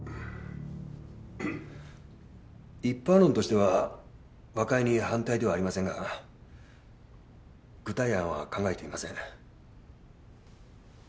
一般論としては和解に反対ではありませんが具体案は考えていません。